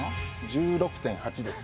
・１６．８です